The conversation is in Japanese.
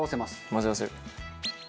混ぜ合わせる。